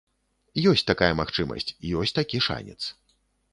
Ёсць такая магчымасць, ёсць такі шанец.